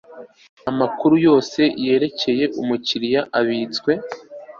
amakuru yose yerekeye umukiriya abitswe